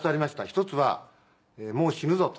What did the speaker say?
「一つはもう死ぬぞと」